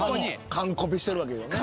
完コピしてるわけよね。